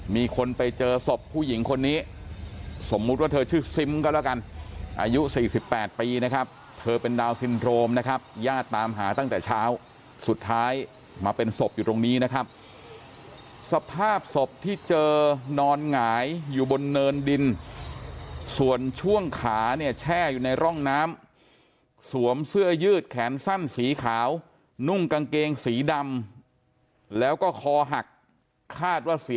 มีคนไปเจอศพผู้หญิงคนนี้สมมุติว่าเธอชื่อซิมก็แล้วกันอายุ๔๘ปีนะครับเธอเป็นดาวนซินโทรมนะครับญาติตามหาตั้งแต่เช้าสุดท้ายมาเป็นศพอยู่ตรงนี้นะครับสภาพศพที่เจอนอนหงายอยู่บนเนินดินส่วนช่วงขาเนี่ยแช่อยู่ในร่องน้ำสวมเสื้อยืดแขนสั้นสีขาวนุ่งกางเกงสีดำแล้วก็คอหักคาดว่าสี